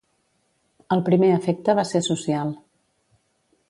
El primer efecte va ser social.